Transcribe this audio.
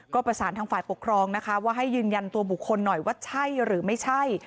ก็ประสานทางฝ่ายปกครองนะคะว่าให้ยืนยันตัวบุคคลหน่อยว่าใช่หรือไม่ใช่